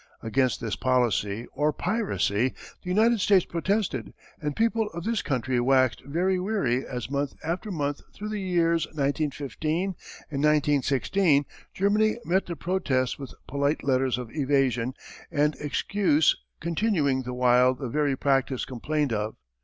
_] Against this policy or piracy the United States protested, and people of this country waxed very weary as month after month through the years 1915 and 1916 Germany met the protests with polite letters of evasion and excuse continuing the while the very practice complained of.